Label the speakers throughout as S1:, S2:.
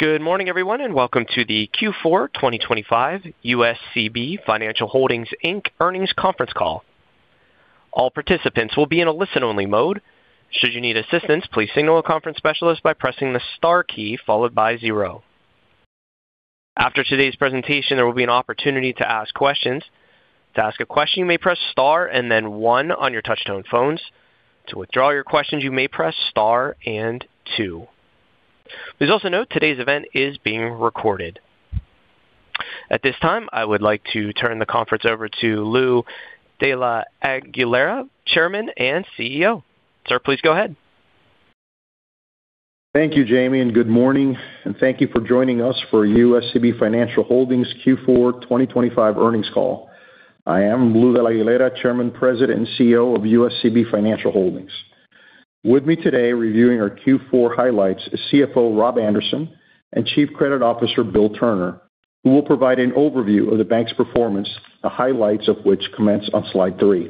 S1: Good morning, everyone, and welcome to the Q4 2025 USCB Financial Holdings Inc. Earnings Conference Call. All participants will be in a listen-only mode. Should you need assistance, please signal a conference specialist by pressing the star key followed by zero. After today's presentation, there will be an opportunity to ask questions. To ask a question, you may press star and then one on your touchtone phones. To withdraw your questions, you may press star and two. Please also note today's event is being recorded. At this time, I would like to turn the conference over to Lou de la Aguilera, Chairman and CEO. Sir, please go ahead.
S2: Thank you, Jamie, and good morning, and thank you for joining us for USCB Financial Holdings Q4 2025 earnings call. I am Lou de la Aguilera, Chairman, President, and CEO of USCB Financial Holdings. With me today reviewing our Q4 highlights is CFO Rob Anderson and Chief Credit Officer Bill Turner, who will provide an overview of the bank's performance, the highlights of which commence on slide 3.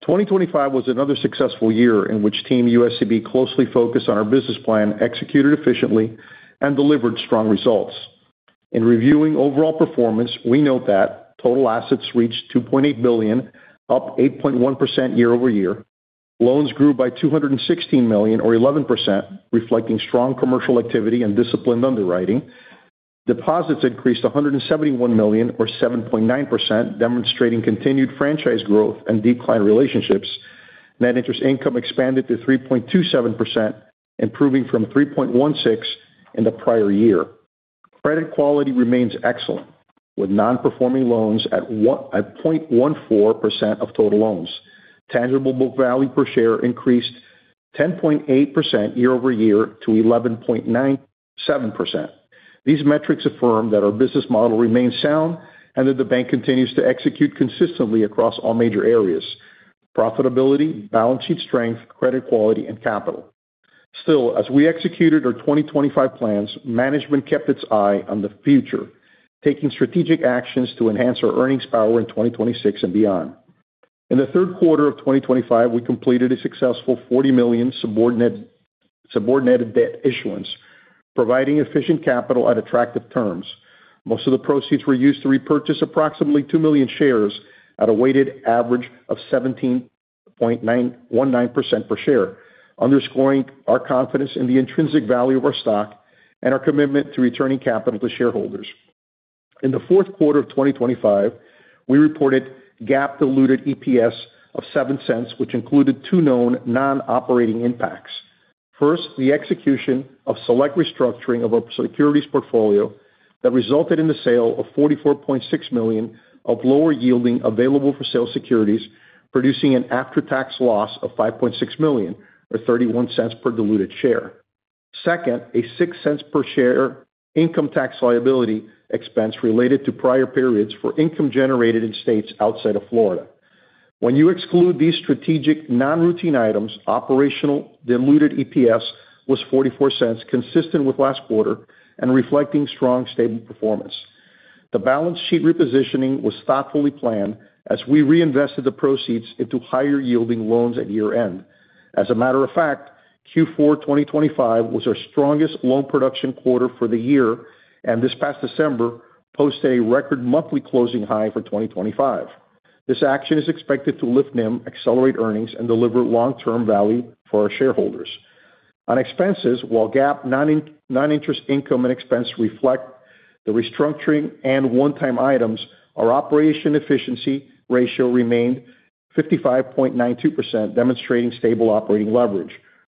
S2: 2025 was another successful year in which Team USCB closely focused on our business plan, executed efficiently, and delivered strong results. In reviewing overall performance, we note that total assets reached $2.8 billion, up 8.1% year-over-year. Loans grew by $216 million, or 11%, reflecting strong commercial activity and disciplined underwriting. Deposits increased to $171 million, or 7.9%, demonstrating continued franchise growth and the client relationships. Net interest income expanded to 3.27%, improving from 3.16% in the prior year. Credit quality remains excellent, with non-performing loans at 0.14% of total loans. Tangible book value per share increased 10.8% year-over-year to 11.97%. These metrics affirm that our business model remains sound and that the bank continues to execute consistently across all major areas: profitability, balance sheet strength, credit quality, and capital. Still, as we executed our 2025 plans, management kept its eye on the future, taking strategic actions to enhance our earnings power in 2026 and beyond. In the third quarter of 2025, we completed a successful $40 million subordinated debt issuance, providing efficient capital at attractive terms. Most of the proceeds were used to repurchase approximately 2 million shares at a weighted average of 17.19% per share, underscoring our confidence in the intrinsic value of our stock and our commitment to returning capital to shareholders. In the fourth quarter of 2025, we reported GAAP-diluted EPS of $0.07, which included two known non-operating impacts. First, the execution of select restructuring of our securities portfolio that resulted in the sale of $44.6 million of lower-yielding available-for-sale securities, producing an after-tax loss of $5.6 million, or $0.31 per diluted share. Second, a $0.06 per share income tax liability expense related to prior periods for income generated in states outside of Florida. When you exclude these strategic non-routine items, operational diluted EPS was $0.44, consistent with last quarter and reflecting strong, stable performance. The balance sheet repositioning was thoughtfully planned as we reinvested the proceeds into higher-yielding loans at year-end. As a matter of fact, Q4 2025 was our strongest loan production quarter for the year, and this past December posted a record monthly closing high for 2025. This action is expected to lift NIM, accelerate earnings, and deliver long-term value for our shareholders. On expenses, while GAAP non-interest income and expense reflect the restructuring and one-time items, our operating efficiency ratio remained 55.92%, demonstrating stable operating leverage.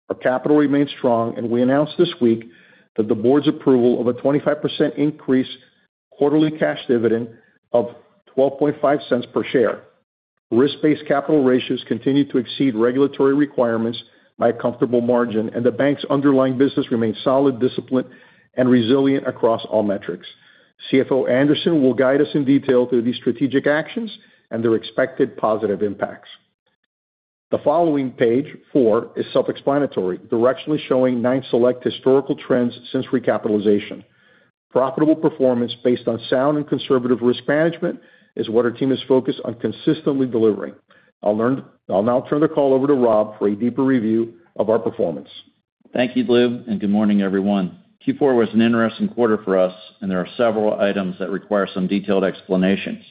S2: Our capital remained strong, and we announced this week that the board's approval of a 25% increase quarterly cash dividend of $0.12 per share. Risk-based capital ratios continue to exceed regulatory requirements by a comfortable margin, and the bank's underlying business remains solid, disciplined, and resilient across all metrics. CFO Anderson will guide us in detail through these strategic actions and their expected positive impacts. The following page 4 is self-explanatory, directionally showing nine select historical trends since recapitalization. Profitable performance based on sound and conservative risk management is what our team is focused on consistently delivering. I'll now turn the call over to Rob for a deeper review of our performance.
S3: Thank you, Lou, and good morning, everyone. Q4 was an interesting quarter for us, and there are several items that require some detailed explanations.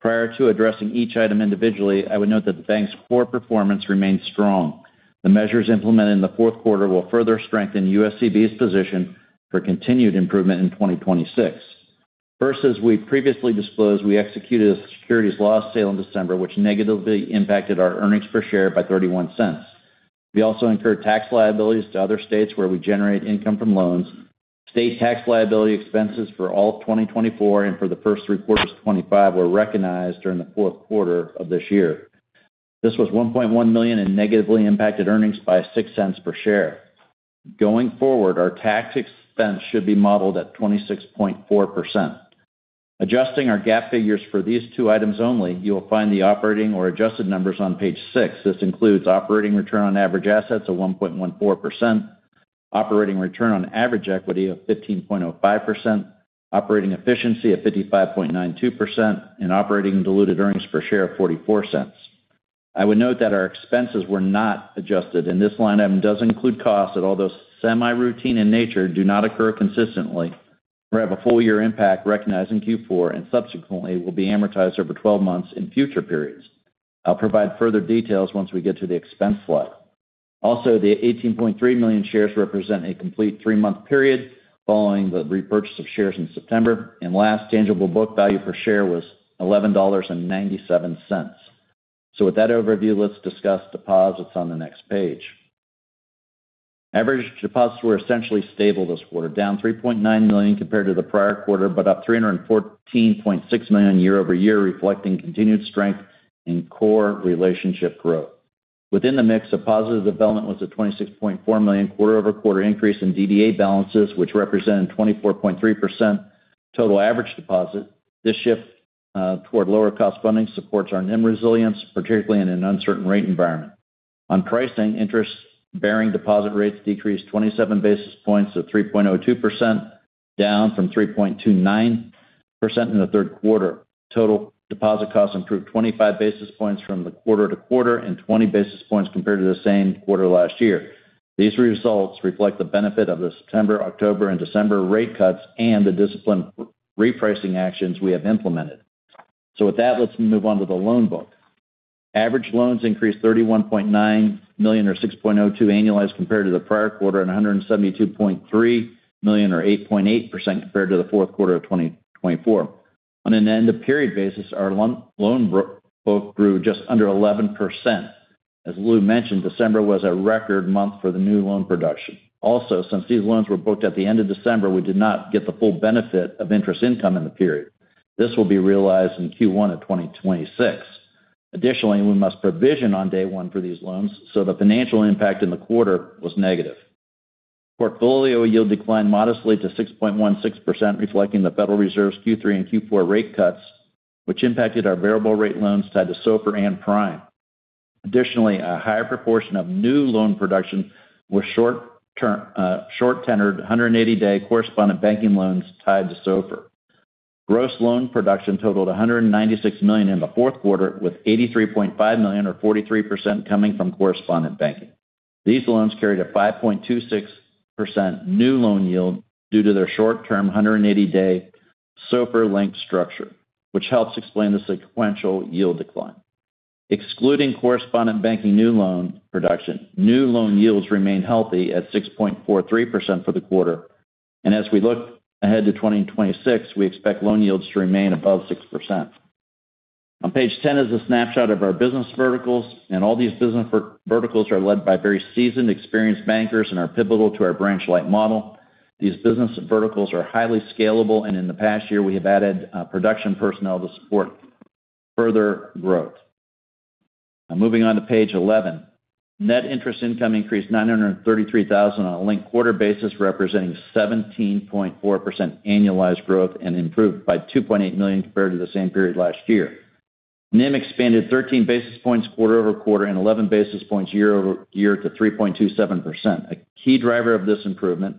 S3: Prior to addressing each item individually, I would note that the bank's core performance remained strong. The measures implemented in the fourth quarter will further strengthen USCB's position for continued improvement in 2026. First, as we previously disclosed, we executed a securities loss sale in December, which negatively impacted our earnings per share by $0.31. We also incurred tax liabilities to other states where we generate income from loans. State tax liability expenses for all of 2024 and for the first three quarters of '25 were recognized during the fourth quarter of this year. This was $1.1 million in negatively impacted earnings by $0.06 per share. Going forward, our tax expense should be modeled at 26.4%. Adjusting our gap figures for these two items only, you will find the operating or adjusted numbers on page 6. This includes operating return on average assets of 1.14%, operating return on average equity of 15.05%, operating efficiency of 55.92%, and operating diluted earnings per share of $0.44. I would note that our expenses were not adjusted, and this line item does include costs that, although semi-routine in nature, do not occur consistently or have a full-year impact recognized in Q4 and subsequently will be amortized over 12 months in future periods. I'll provide further details once we get to the expense slide. Also, the 18.3 million shares represent a complete three-month period following the repurchase of shares in September, and last tangible book value per share was $11.97. So with that overview, let's discuss deposits on the next page. Average deposits were essentially stable this quarter, down $3.9 million compared to the prior quarter, but up $314.6 million year-over-year, reflecting continued strength in core relationship growth. Within the mix, a positive development was a $26.4 million quarter-over-quarter increase in DDA balances, which represented 24.3% total average deposit. This shift toward lower-cost funding supports our NIM resilience, particularly in an uncertain rate environment. On pricing, interest-bearing deposit rates decreased 27 basis points to 3.02%, down from 3.29% in the third quarter. Total deposit costs improved 25 basis points from the quarter-over-quarter and 20 basis points compared to the same quarter last year. These results reflect the benefit of the September, October, and December rate cuts and the disciplined repricing actions we have implemented. So with that, let's move on to the loan book. Average loans increased $31.9 million, or 6.02% annualized compared to the prior quarter, and $172.3 million, or 8.8% compared to the fourth quarter of 2024. On an end-of-period basis, our loan book grew just under 11%. As Lou mentioned, December was a record month for the new loan production. Also, since these loans were booked at the end of December, we did not get the full benefit of interest income in the period. This will be realized in Q1 of 2026. Additionally, we must provision on day one for these loans, so the financial impact in the quarter was negative. Portfolio yield declined modestly to 6.16%, reflecting the Federal Reserve's Q3 and Q4 rate cuts, which impacted our variable-rate loans tied to SOFR and Prime. Additionally, a higher proportion of new loan production was short-tenored, 180-day correspondent banking loans tied to SOFR. Gross loan production totaled $196 million in the fourth quarter, with $83.5 million, or 43%, coming from correspondent banking. These loans carried a 5.26% new loan yield due to their short-term, 180-day SOFR-linked structure, which helps explain the sequential yield decline. Excluding correspondent banking new loan production, new loan yields remain healthy at 6.43% for the quarter, and as we look ahead to 2026, we expect loan yields to remain above 6%. On page 10 is a snapshot of our business verticals, and all these business verticals are led by very seasoned, experienced bankers and are pivotal to our branch-like model. These business verticals are highly scalable, and in the past year, we have added production personnel to support further growth. Moving on to page 11, net interest income increased $933,000 on a linked quarter basis, representing 17.4% annualized growth and improved by $2.8 million compared to the same period last year. NIM expanded 13 basis points quarter-over-quarter and 11 basis points year-over-year to 3.27%. A key driver of this improvement,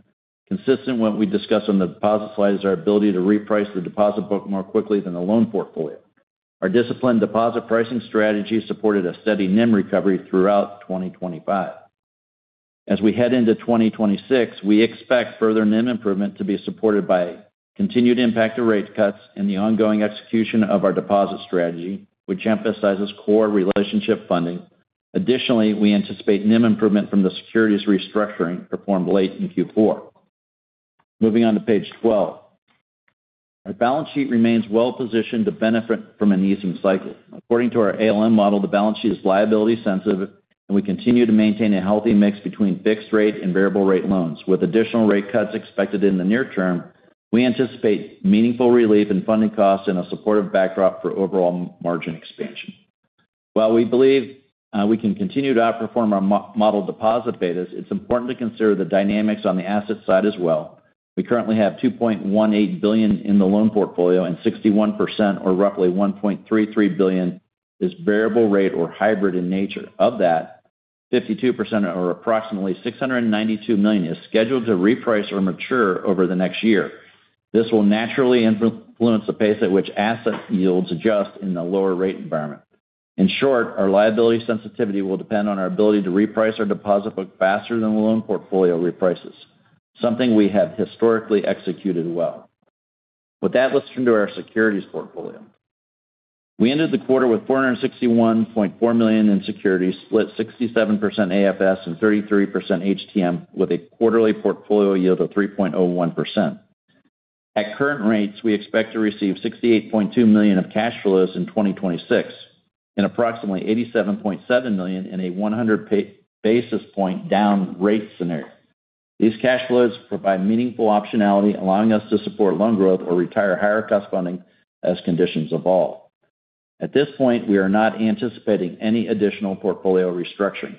S3: consistent with what we discussed on the deposit slide, is our ability to reprice the deposit book more quickly than the loan portfolio. Our disciplined deposit pricing strategy supported a steady NIM recovery throughout 2025. As we head into 2026, we expect further NIM improvement to be supported by continued impact of rate cuts and the ongoing execution of our deposit strategy, which emphasizes core relationship funding. Additionally, we anticipate NIM improvement from the securities restructuring performed late in Q4. Moving on to page 12, our balance sheet remains well-positioned to benefit from an easing cycle. According to our ALM model, the balance sheet is liability sensitive, and we continue to maintain a healthy mix between fixed-rate and variable-rate loans. With additional rate cuts expected in the near term, we anticipate meaningful relief in funding costs and a supportive backdrop for overall margin expansion. While we believe we can continue to outperform our model deposit betas, it's important to consider the dynamics on the asset side as well. We currently have $2.18 billion in the loan portfolio, and 61%, or roughly $1.33 billion, is variable-rate or hybrid in nature. Of that, 52%, or approximately $692 million, is scheduled to reprice or mature over the next year. This will naturally influence the pace at which asset yields adjust in the lower-rate environment. In short, our liability sensitivity will depend on our ability to reprice our deposit book faster than the loan portfolio reprices, something we have historically executed well. With that, let's turn to our securities portfolio. We ended the quarter with $461.4 million in securities, split 67% AFS and 33% HTM, with a quarterly portfolio yield of 3.01%. At current rates, we expect to receive $68.2 million of cash flows in 2026 and approximately $87.7 million in a 100 basis point down rate scenario. These cash flows provide meaningful optionality, allowing us to support loan growth or retire higher-cost funding as conditions evolve. At this point, we are not anticipating any additional portfolio restructuring.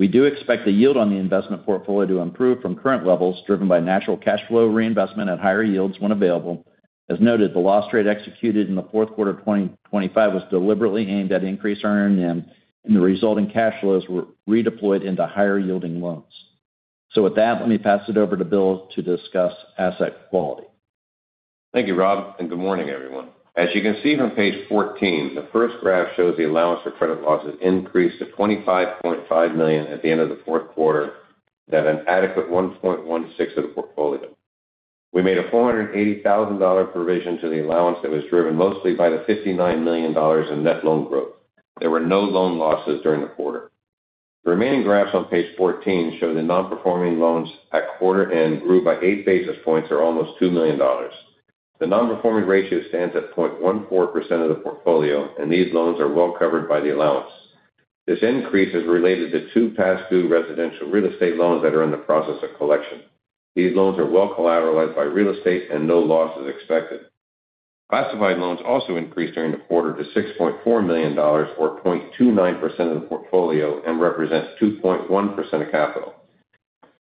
S3: We do expect the yield on the investment portfolio to improve from current levels, driven by natural cash flow reinvestment at higher yields when available. As noted, the loss trade executed in the fourth quarter of 2025 was deliberately aimed at increasing our NIM, and the resulting cash flows were redeployed into higher-yielding loans. With that, let me pass it over to Bill to discuss asset quality.
S4: Thank you, Rob, and good morning, everyone. As you can see from page 14, the first graph shows the allowance for credit losses increased to $25.5 million at the end of the fourth quarter at an adequate 1.16% of the portfolio. We made a $480,000 provision to the allowance that was driven mostly by the $59 million in net loan growth. There were no loan losses during the quarter. The remaining graphs on page 14 show the non-performing loans at quarter-end grew by eight basis points, or almost $2 million. The non-performing ratio stands at 0.14% of the portfolio, and these loans are well covered by the allowance. This increase is related to two past-due residential real estate loans that are in the process of collection. These loans are well collateralized by real estate, and no loss is expected. Classified loans also increased during the quarter to $6.4 million, or 0.29% of the portfolio, and represent 2.1% of capital.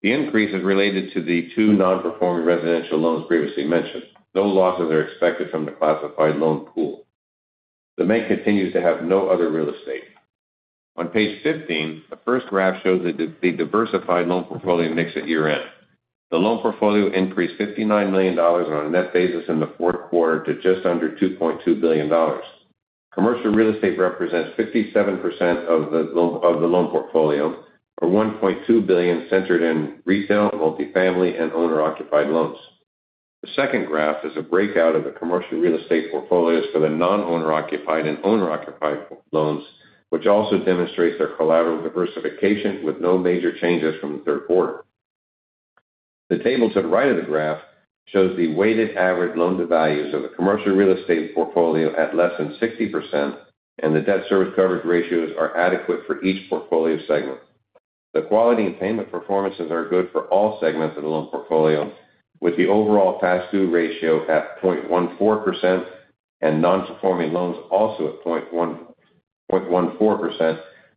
S4: The increase is related to the two non-performing residential loans previously mentioned. No losses are expected from the classified loan pool. The bank continues to have no other real estate. On page 15, the first graph shows the diversified loan portfolio mix at year-end. The loan portfolio increased $59 million on a net basis in the fourth quarter to just under $2.2 billion. Commercial real estate represents 57% of the loan portfolio, or $1.2 billion centered in retail, multifamily, and owner-occupied loans. The second graph is a breakout of the commercial real estate portfolios for the non-owner-occupied and owner-occupied loans, which also demonstrates their collateral diversification with no major changes from the third quarter. The table to the right of the graph shows the weighted average loan-to-values of the commercial real estate portfolio at less than 60%, and the debt service coverage ratios are adequate for each portfolio segment. The quality and payment performances are good for all segments of the loan portfolio, with the overall past-due ratio at 0.14% and non-performing loans also at 0.14%,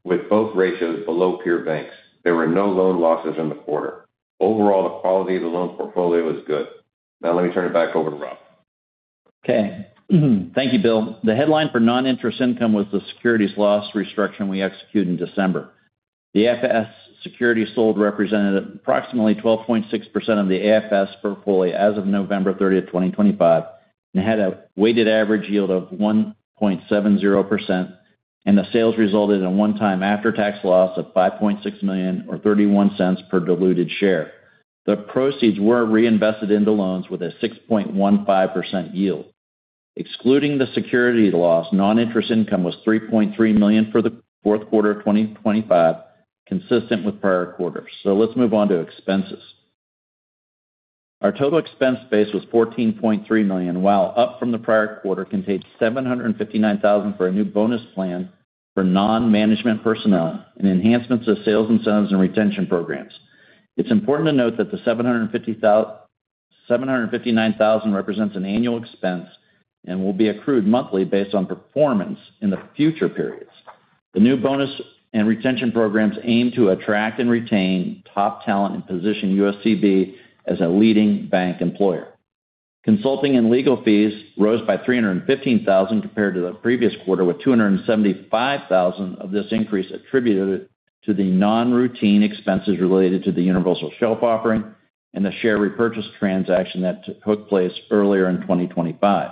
S4: with both ratios below peer banks. There were no loan losses in the quarter. Overall, the quality of the loan portfolio is good. Now, let me turn it back over to Rob.
S3: Okay. Thank you, Bill. The headline for non-interest income was the securities loss restructuring we executed in December. The AFS securities sold represented approximately 12.6% of the AFS portfolio as of November 30, 2025, and had a weighted average yield of 1.70%. And the sales resulted in a one-time after-tax loss of $5.6 million, or $0.31 per diluted share. The proceeds were reinvested into loans with a 6.15% yield. Excluding the security loss, non-interest income was $3.3 million for the fourth quarter of 2025, consistent with prior quarters. So let's move on to expenses. Our total expense base was $14.3 million, while up from the prior quarter, contained $759,000 for a new bonus plan for non-management personnel and enhancements to sales incentives and retention programs. It's important to note that the $759,000 represents an annual expense and will be accrued monthly based on performance in the future periods. The new bonus and retention programs aim to attract and retain top talent and position USCB as a leading bank employer. Consulting and legal fees rose by $315,000 compared to the previous quarter, with $275,000 of this increase attributed to the non-routine expenses related to the universal shelf offering and the share repurchase transaction that took place earlier in 2025.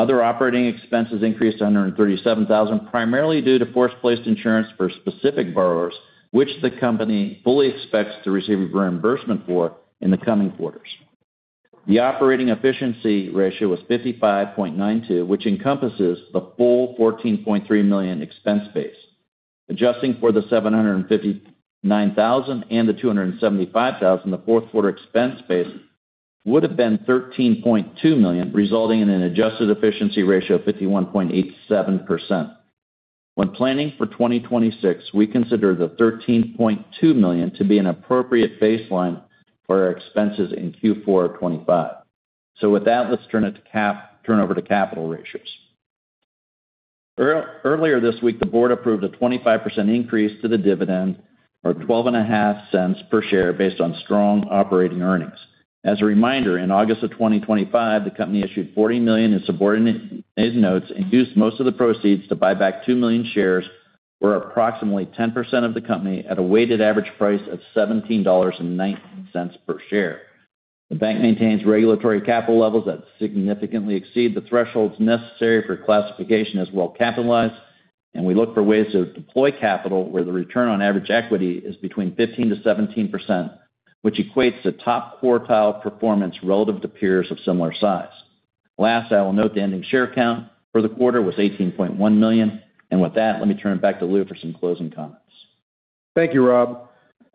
S3: Other operating expenses increased to $137,000, primarily due to force-placed insurance for specific borrowers, which the company fully expects to receive reimbursement for in the coming quarters. The operating efficiency ratio was 55.92%, which encompasses the full $14.3 million expense base. Adjusting for the $759,000 and the $275,000, the fourth quarter expense base would have been $13.2 million, resulting in an adjusted efficiency ratio of 51.87%. When planning for 2026, we consider the $13.2 million to be an appropriate baseline for our expenses in Q4 of 2025. So with that, let's turn it over to capital ratios. Earlier this week, the board approved a 25% increase to the dividend, or $0.125 per share, based on strong operating earnings. As a reminder, in August of 2025, the company issued $40 million in subordinate notes and used most of the proceeds to buy back 2 million shares, or approximately 10% of the company, at a weighted average price of $17.19 per share. The bank maintains regulatory capital levels that significantly exceed the thresholds necessary for classification as well-capitalized, and we look for ways to deploy capital where the return on average equity is between 15%-17%, which equates to top quartile performance relative to peers of similar size. Last, I will note the ending share count for the quarter was 18.1 million. With that, let me turn it back to Lou for some closing comments.
S2: Thank you, Rob.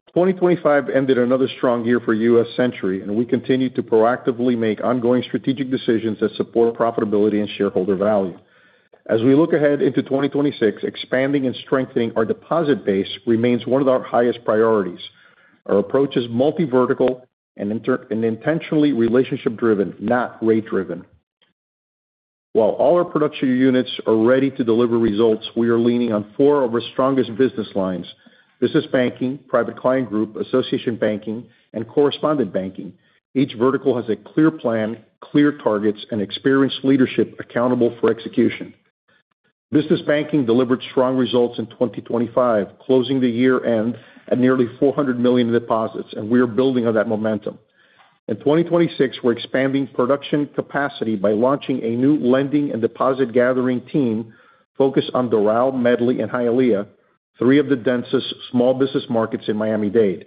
S2: 2025 ended another strong year for U.S. Century Bank, and we continue to proactively make ongoing strategic decisions that support profitability and shareholder value. As we look ahead into 2026, expanding and strengthening our deposit base remains one of our highest priorities. Our approach is multi-vertical and intentionally relationship-driven, not rate-driven. While all our production units are ready to deliver results, we are leaning on four of our strongest business lines: Business Banking, Private Client Group, Association Banking, and Correspondent Banking. Each vertical has a clear plan, clear targets, and experienced leadership accountable for execution. Business Banking delivered strong results in 2025, closing the year-end at nearly $400 million in deposits, and we are building on that momentum. In 2026, we're expanding production capacity by launching a new lending and deposit gathering team focused on Doral, Medley, and Hialeah, three of the densest small business markets in Miami-Dade.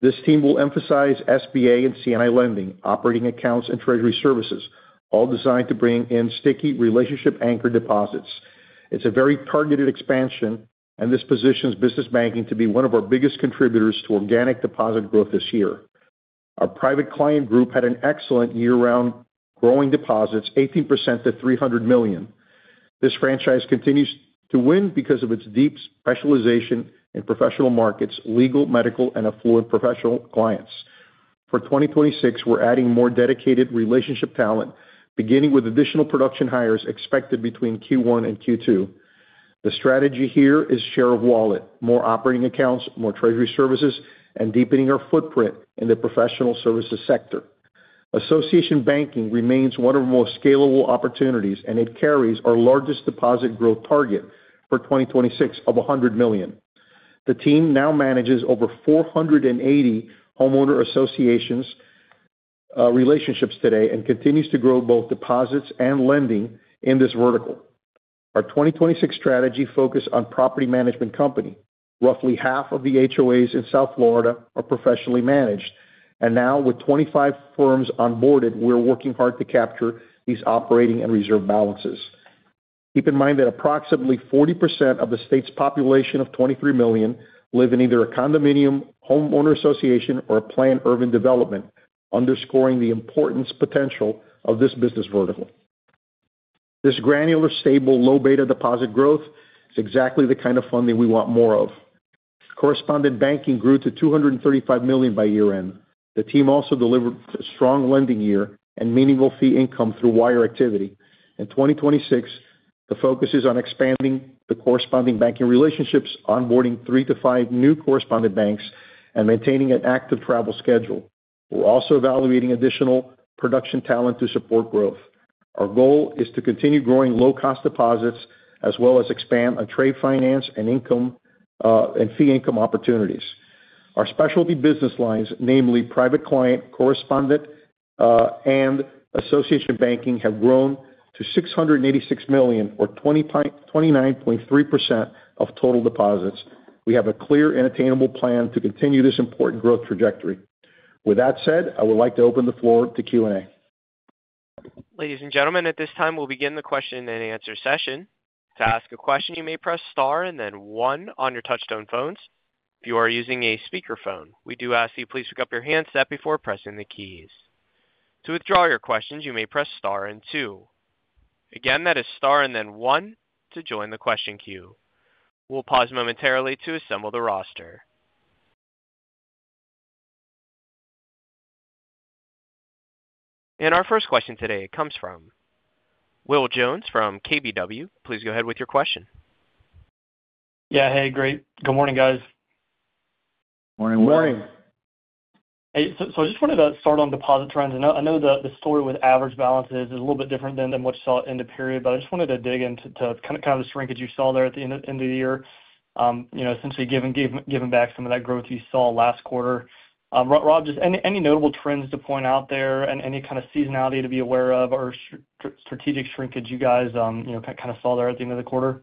S2: This team will emphasize SBA and C&I lending, operating accounts, and treasury services, all designed to bring in sticky, relationship-anchored deposits. It's a very targeted expansion, and this positions Business Banking to be one of our biggest contributors to organic deposit growth this year. Our Private Client Group had an excellent year-round growing deposits, 18% to $300 million. This franchise continues to win because of its deep specialization in professional markets, legal, medical, and affluent professional clients. For 2026, we're adding more dedicated relationship talent, beginning with additional production hires expected between Q1 and Q2. The strategy here is share of wallet, more operating accounts, more treasury services, and deepening our footprint in the professional services sector. Association Banking remains one of the most scalable opportunities, and it carries our largest deposit growth target for 2026 of $100 million. The team now manages over 480 homeowner association relationships today and continues to grow both deposits and lending in this vertical. Our 2026 strategy focused on property management company. Roughly half of the HOAs in South Florida are professionally managed, and now, with 25 firms onboarded, we're working hard to capture these operating and reserve balances. Keep in mind that approximately 40% of the state's population of 23 million live in either a condominium, homeowner association, or a planned urban development, underscoring the important potential of this business vertical. This granular, stable, low-beta deposit growth is exactly the kind of funding we want more of. Correspondent banking grew to $235 million by year-end. The team also delivered a strong lending year and meaningful fee income through wire activity. In 2026, the focus is on expanding the correspondent banking relationships, onboarding three to five new correspondent banks, and maintaining an active travel schedule. We're also evaluating additional production talent to support growth. Our goal is to continue growing low-cost deposits as well as expand on trade finance and fee income opportunities. Our specialty business lines, namely private client, correspondent, and association banking, have grown to $686 million, or 29.3% of total deposits. We have a clear and attainable plan to continue this important growth trajectory. With that said, I would like to open the floor to Q&A.
S1: Ladies and gentlemen, at this time, we'll begin the question and answer session. To ask a question, you may press star and then one on your touch-tone phones. If you are using a speakerphone, we do ask that you please pick up your handset before pressing the keys. To withdraw your questions, you may press star and two. Again, that is star and then one to join the question queue. We'll pause momentarily to assemble the roster. Our first question today comes from Will Jones from KBW. Please go ahead with your question.
S5: Yeah. Hey, great. Good morning, guys.
S3: Morning.
S4: Morning.
S5: Hey. So I just wanted to start on deposit trends. I know the story with average balances is a little bit different than what you saw in the period, but I just wanted to dig into kind of the shrinkage you saw there at the end of the year, essentially giving back some of that growth you saw last quarter. Rob, just any notable trends to point out there and any kind of seasonality to be aware of or strategic shrinkage you guys kind of saw there at the end of the quarter?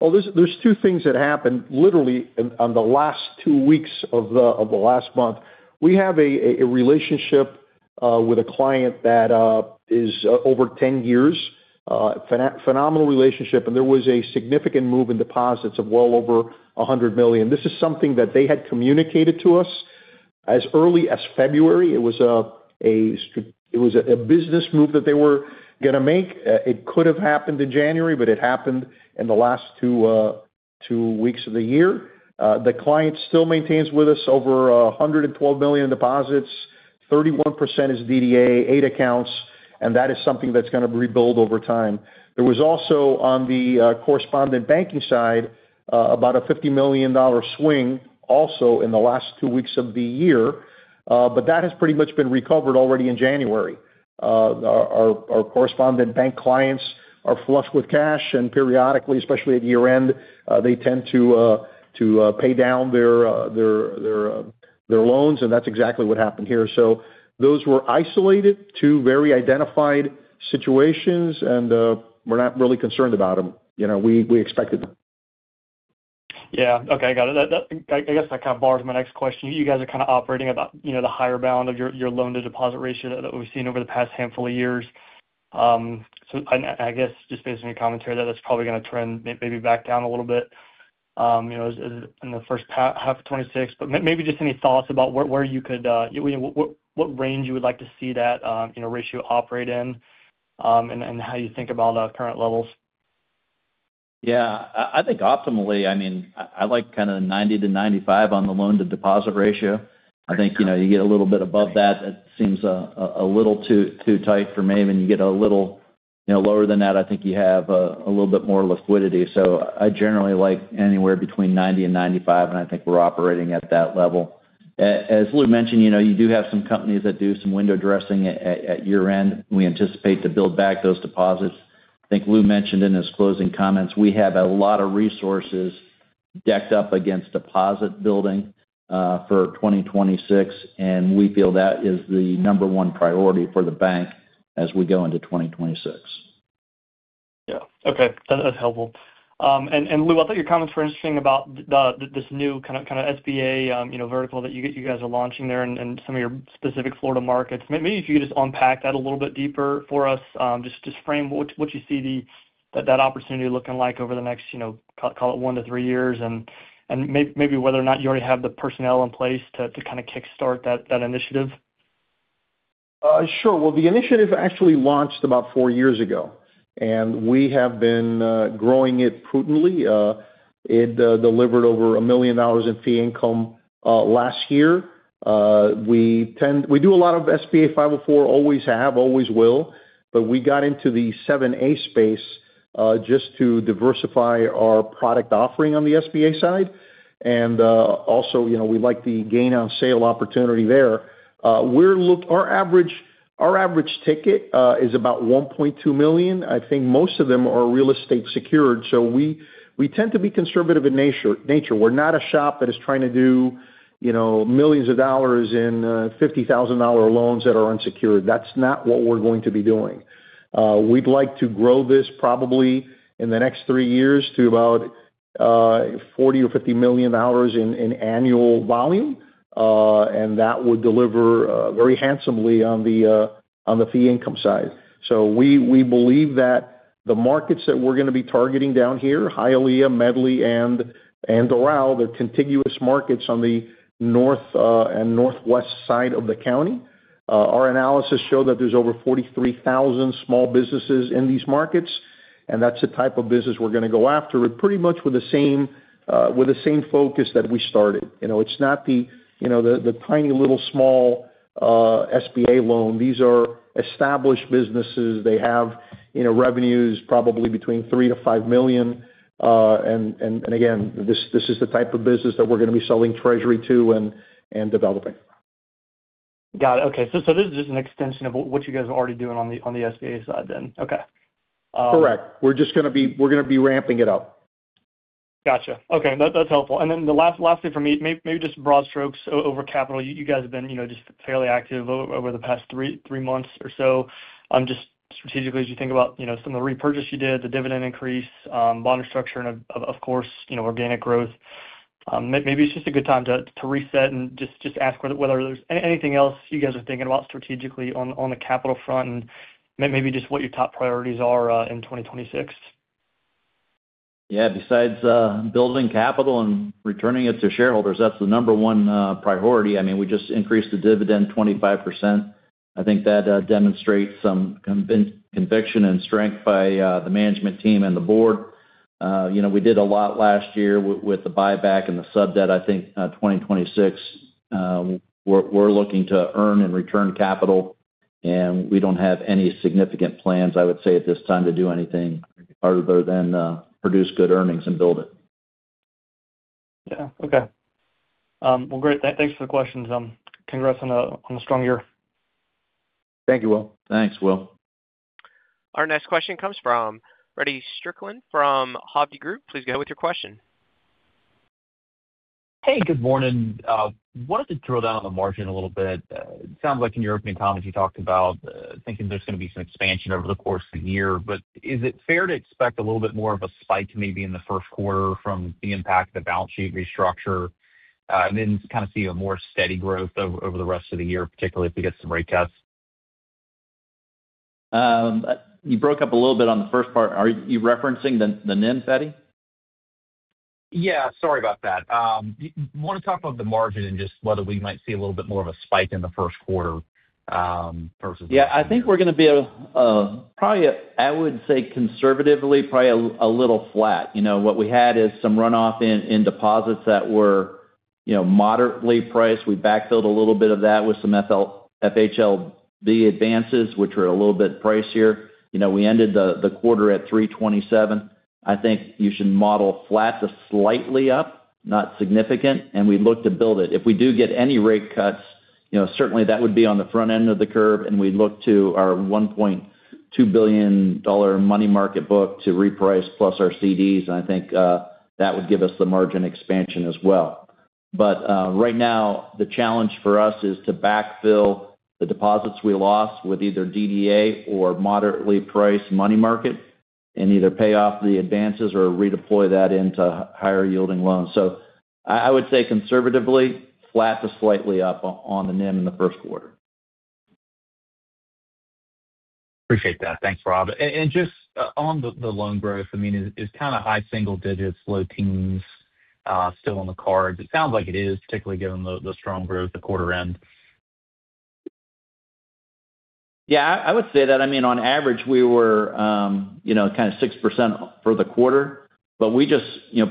S2: Well, there are two things that happened literally in the last two weeks of the last month. We have a relationship with a client that is over 10 years, a phenomenal relationship, and there was a significant move in deposits of well over $100 million. This is something that they had communicated to us as early as February. It was a business move that they were going to make. It could have happened in January, but it happened in the last two weeks of the year. The client still maintains with us over $112 million in deposits. 31% is DDA, eight accounts, and that is something that's going to rebuild over time. There was also on the correspondent banking side about a $50 million swing also in the last two weeks of the year, but that has pretty much been recovered already in January. Our correspondent bank clients are flush with cash, and periodically, especially at year-end, they tend to pay down their loans, and that's exactly what happened here. So those were isolated, two very identified situations, and we're not really concerned about them. We expected them.
S5: Yeah. Okay. I got it. I guess that kind of bars my next question. You guys are kind of operating at the higher bound of your loan-to-deposit ratio that we've seen over the past handful of years. So I guess just based on your commentary that that's probably going to trend maybe back down a little bit in the first half of 2026. But maybe just any thoughts about where you could what range you would like to see that ratio operate in and how you think about current levels?
S3: Yeah. I think optimally, I mean, I like kind of the 90-95 on the loan-to-deposit ratio. I think you get a little bit above that, that seems a little too tight for me. When you get a little lower than that, I think you have a little bit more liquidity. So I generally like anywhere between 90 and 95, and I think we're operating at that level. As Lou mentioned, you do have some companies that do some window dressing at year-end. We anticipate to build back those deposits. I think Lou mentioned in his closing comments, we have a lot of resources decked up against deposit building for 2026, and we feel that is the number one priority for the bank as we go into 2026.
S5: Yeah. Okay. That's helpful. And Lou, I thought your comments were interesting about this new kind of SBA vertical that you guys are launching there and some of your specific Florida markets. Maybe if you could just unpack that a little bit deeper for us, just frame what you see that opportunity looking like over the next, call it, one to three years, and maybe whether or not you already have the personnel in place to kind of kickstart that initiative.
S2: Sure. Well, the initiative actually launched about four years ago, and we have been growing it prudently. It delivered over $1 million in fee income last year. We do a lot of SBA 504, always have, always will, but we got into the 7(a) space just to diversify our product offering on the SBA side. And also, we like the gain-on-sale opportunity there. Our average ticket is about $1.2 million. I think most of them are real estate secured, so we tend to be conservative in nature. We're not a shop that is trying to do millions of dollars in $50,000 loans that are unsecured. That's not what we're going to be doing. We'd like to grow this probably in the next three years to about $40 million or $50 million in annual volume, and that would deliver very handsomely on the fee income side. So we believe that the markets that we're going to be targeting down here, Hialeah, Medley, and Doral, they're contiguous markets on the north and northwest side of the county. Our analysis showed that there's over 43,000 small businesses in these markets, and that's the type of business we're going to go after pretty much with the same focus that we started. It's not the tiny little small SBA loan. These are established businesses. They have revenues probably between $3 million-$5 million. And again, this is the type of business that we're going to be selling treasury to and developing.
S5: Got it. Okay. So this is just an extension of what you guys are already doing on the SBA side then. Okay.
S2: Correct. We're just going to be ramping it up.
S5: Gotcha. Okay. That's helpful. And then the last thing for me, maybe just broad strokes over capital. You guys have been just fairly active over the past three months or so. Just strategically, as you think about some of the repurchase you did, the dividend increase, bond structure, and of course, organic growth, maybe it's just a good time to reset and just ask whether there's anything else you guys are thinking about strategically on the capital front and maybe just what your top priorities are in 2026.
S3: Yeah. Besides building capital and returning it to shareholders, that's the number one priority. I mean, we just increased the dividend 25%. I think that demonstrates some conviction and strength by the management team and the board. We did a lot last year with the buyback and the sub debt. I think 2026, we're looking to earn and return capital, and we don't have any significant plans, I would say, at this time to do anything other than produce good earnings and build it.
S5: Yeah. Okay. Well, great. Thanks for the questions. Congrats on a strong year.
S3: Thank you, Will. Thanks, Will.
S1: Our next question comes from Feddie Strickland from Hovde Group. Please go ahead with your question.
S6: Hey, good morning. I wanted to drill down on the margin a little bit. It sounds like in your opening comments, you talked about thinking there's going to be some expansion over the course of the year. But is it fair to expect a little bit more of a spike maybe in the first quarter from the impact of the balance sheet restructure and then kind of see a more steady growth over the rest of the year, particularly if we get some rate cuts?
S3: You broke up a little bit on the first part. Are you referencing the NIM, Feddie?
S6: Yeah. Sorry about that. I want to talk about the margin and just whether we might see a little bit more of a spike in the first quarter versus the.
S3: Yeah. I think we're going to be probably, I would say, conservatively, probably a little flat. What we had is some runoff in deposits that were moderately priced. We backfilled a little bit of that with some FHLB advances, which were a little bit pricier. We ended the quarter at $327. I think you should model flat to slightly up, not significant, and we look to build it. If we do get any rate cuts, certainly that would be on the front end of the curve, and we'd look to our $1.2 billion money market book to reprice plus our CDs, and I think that would give us the margin expansion as well. But right now, the challenge for us is to backfill the deposits we lost with either DDA or moderately priced money market and either pay off the advances or redeploy that into higher-yielding loans. I would say conservatively, flat to slightly up on the NIM in the first quarter.
S6: Appreciate that. Thanks, Rob. And just on the loan growth, I mean, it's kind of high single digits, low teens still on the cards. It sounds like it is, particularly given the strong growth at quarter end.
S3: Yeah. I would say that, I mean, on average, we were kind of 6% for the quarter, but we just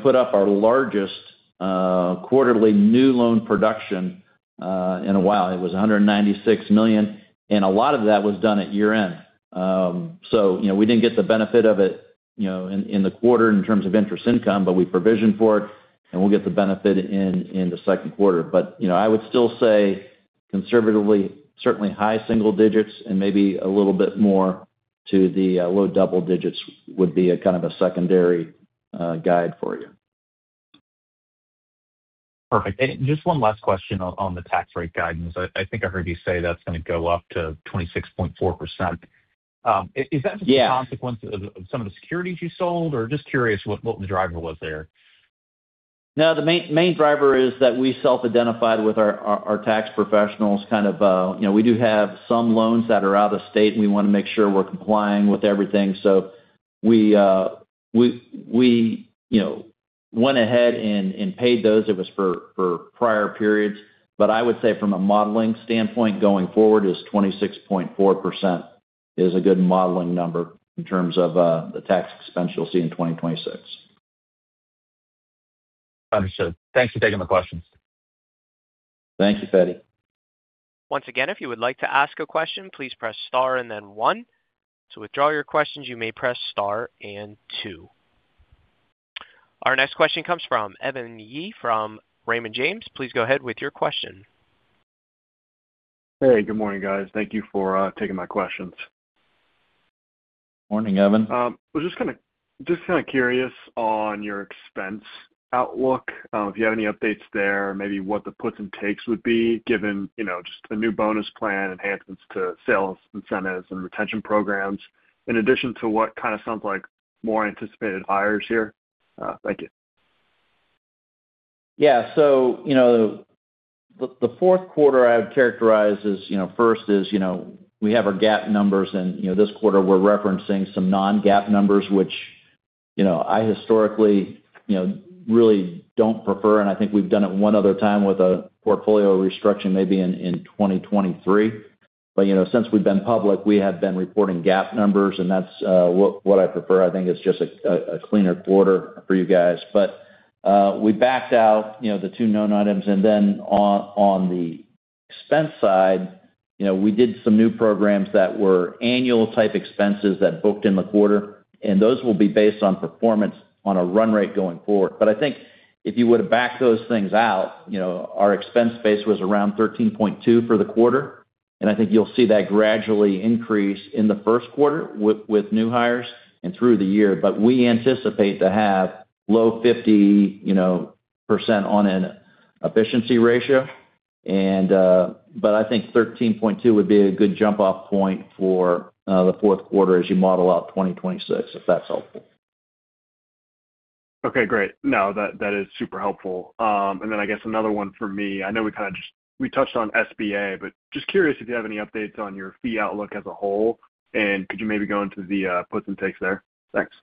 S3: put up our largest quarterly new loan production in a while. It was $196 million, and a lot of that was done at year-end. So we didn't get the benefit of it in the quarter in terms of interest income, but we provisioned for it, and we'll get the benefit in the second quarter. But I would still say conservatively, certainly high single digits and maybe a little bit more to the low double digits would be kind of a secondary guide for you.
S6: Perfect. And just one last question on the tax rate guidance. I think I heard you say that's going to go up to 26.4%. Is that just a consequence of some of the securities you sold, or just curious what the driver was there?
S3: No, the main driver is that we self-identified with our tax professionals kind of. We do have some loans that are out of state, and we want to make sure we're complying with everything. So we went ahead and paid those. It was for prior periods. But I would say from a modeling standpoint, going forward is 26.4% is a good modeling number in terms of the tax expense you'll see in 2026.
S6: Understood. Thanks for taking the questions.
S3: Thank you, Feddie.
S1: Once again, if you would like to ask a question, please press star and then one. To withdraw your questions, you may press star and two. Our next question comes from Evan Yee from Raymond James. Please go ahead with your question.
S7: Hey, good morning, guys. Thank you for taking my questions.
S3: Morning, Evan.
S7: I was just kind of curious on your expense outlook. If you have any updates there, maybe what the puts and takes would be given just a new bonus plan, enhancements to sales incentives and retention programs in addition to what kind of sounds like more anticipated hires here? Thank you.
S3: Yeah. So the fourth quarter I would characterize as first is we have our GAAP numbers, and this quarter, we're referencing some non-GAAP numbers, which I historically really don't prefer. I think we've done it one other time with a portfolio restructuring maybe in 2023. Since we've been public, we have been reporting GAAP numbers, and that's what I prefer. I think it's just a cleaner quarter for you guys. We backed out the two known items. Then on the expense side, we did some new programs that were annual-type expenses that booked in the quarter, and those will be based on performance on a run rate going forward. But I think if you were to back those things out, our expense base was around $13.2 for the quarter, and I think you'll see that gradually increase in the first quarter with new hires and through the year. But we anticipate to have low 50% on an efficiency ratio. But I think $13.2 would be a good jump-off point for the fourth quarter as you model out 2026, if that's helpful.
S7: Okay. Great. No, that is super helpful. And then I guess another one for me. I know we kind of just touched on SBA, but just curious if you have any updates on your fee outlook as a whole, and could you maybe go into the puts and takes there? Thanks.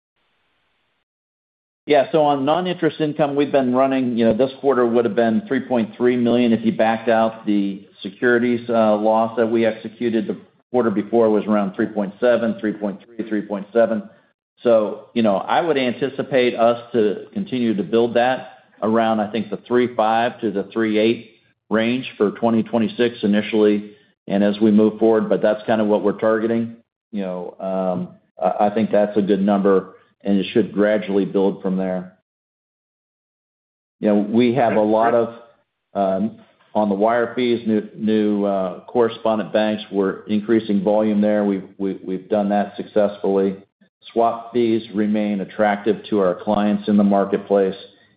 S3: Yeah. So on non-interest income, we've been running. This quarter would have been $3.3 million. If you backed out the securities loss that we executed the quarter before, it was around $3.7 million, $3.3 million, $3.7 million. So I would anticipate us to continue to build that around, I think, the $3.5 million-$3.8 million range for 2026 initially and as we move forward. But that's kind of what we're targeting. I think that's a good number, and it should gradually build from there. We have a lot of on the wire fees, new correspondent banks, we're increasing volume there. We've done that successfully. Swap fees remain attractive to our clients in the marketplace.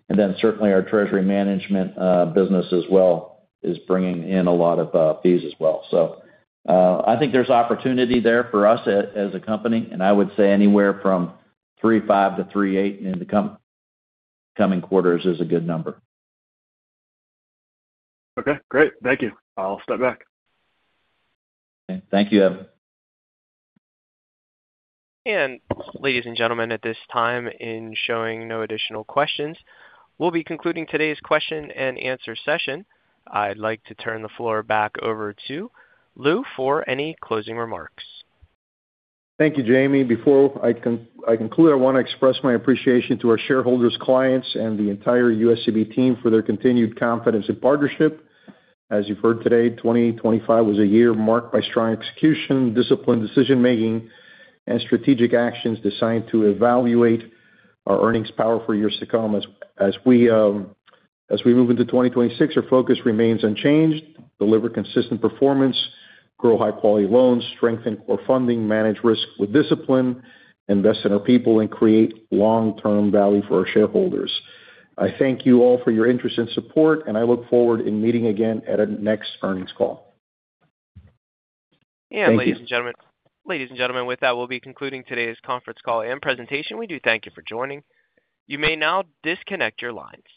S3: And then certainly, our treasury management business as well is bringing in a lot of fees as well. So I think there's opportunity there for us as a company. I would say anywhere from 3.5 million to 3.8 million in the coming quarters is a good number.
S7: Okay. Great. Thank you. I'll step back.
S3: Okay. Thank you, Evan.
S1: Ladies and gentlemen, at this time, in showing no additional questions, we'll be concluding today's question and answer session. I'd like to turn the floor back over to Lou for any closing remarks.
S2: Thank you, Jamie. Before I conclude, I want to express my appreciation to our shareholders, clients, and the entire USCB team for their continued confidence and partnership. As you've heard today, 2025 was a year marked by strong execution, disciplined decision-making, and strategic actions designed to evaluate our earnings power for years to come. As we move into 2026, our focus remains unchanged: deliver consistent performance, grow high-quality loans, strengthen core funding, manage risk with discipline, invest in our people, and create long-term value for our shareholders. I thank you all for your interest and support, and I look forward to meeting again at our next earnings call.
S1: Ladies and gentlemen, with that, we'll be concluding today's conference call and presentation. We do thank you for joining. You may now disconnect your lines.